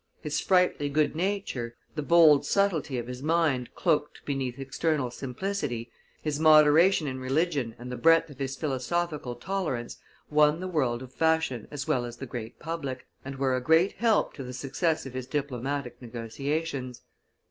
His sprightly good nature, the bold subtilty of his mind cloaked beneath external simplicity, his moderation in religion and the breadth of his philosophical tolerance, won the world of fashion as well as the great public, and were a great help to the success of his diplomatic negotiations.